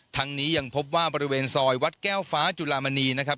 ทั้งนี้ยังพบว่าบริเวณซอยวัดแก้วฟ้าจุลามณีนะครับ